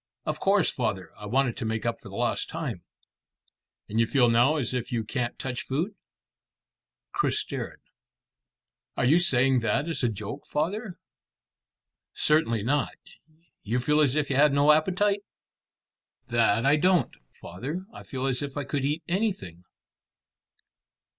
"Of course, father. I wanted to make up for lost time." "And you feel now as if you can't touch food?" Chris stared. "Are you saying that as a joke, father?" "Certainly not. You feel as if you had no appetite?" "That I don't, father. I feel as if I could eat anything."